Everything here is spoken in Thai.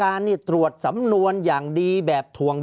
ภารกิจสรรค์ภารกิจสรรค์